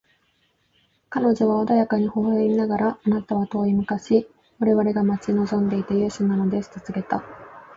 彼女は穏やかに微笑みながら、「あなたは遠い昔、我々が待ち望んでいた勇者なのです」と告げた。